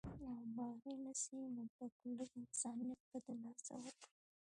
او باغي نسي نو لږ، لږ انسانيت به د لاسه ورکړي